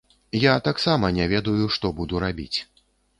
Я таксама не ведаю, што буду рабіць.